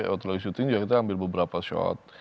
waktu di syuting kita ambil beberapa shot